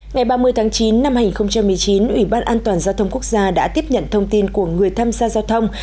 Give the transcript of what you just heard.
ngày ba mươi tháng chín năm hai nghìn một mươi chín ủy ban an toàn giao thông quốc gia đã tiếp nhận thông tin của người tham gia giao thông